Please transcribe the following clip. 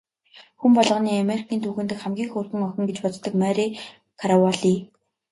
Хүн болгоны Америкийн түүхэн дэх хамгийн хөөрхөн охин гэж боддог Мари Караволли.